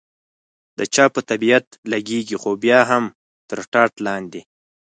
د چا په طبیعت لګېږي، خو بیا هم تر ټاټ لاندې.